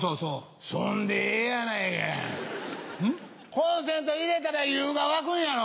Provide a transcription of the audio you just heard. コンセント入れたら湯が沸くんやろ？